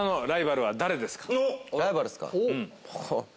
ライバルっすか？